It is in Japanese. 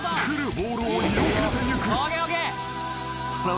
ボールをよけていく］